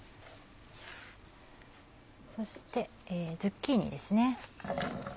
そしてズッキーニですね。